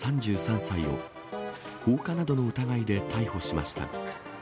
３３歳を、放火などの疑いで逮捕しました。